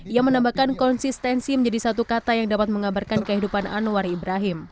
ia menambahkan konsistensi menjadi satu kata yang dapat mengabarkan kehidupan anwar ibrahim